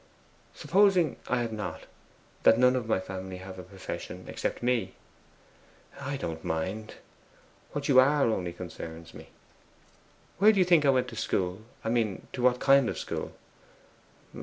'Supposing I have not that none of my family have a profession except me?' 'I don't mind. What you are only concerns me.' 'Where do you think I went to school I mean, to what kind of school?